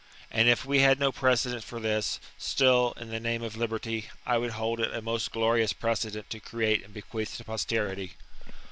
And if we had no precedent for this, still, in the name of liberty, I would hold it a most glorious precedent to create and bequeath to posterity.